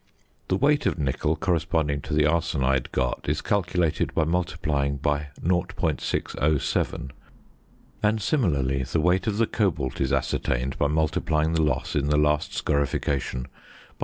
The weight of nickel corresponding to the arsenide got is calculated by multiplying by 0.607; and, similarly, the weight of the cobalt is ascertained by multiplying the loss in the last scorification by 0.